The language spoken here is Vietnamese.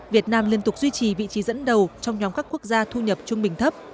việt nam liên tục duy trì vị trí dẫn đầu trong nhóm các quốc gia thu nhập trung bình thấp